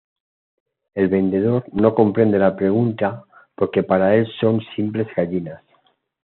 El vendedor no comprende la pregunta por que para el son simples "gallinas".